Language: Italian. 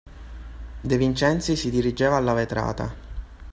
De Vincenzi si dirigeva alla vetrata.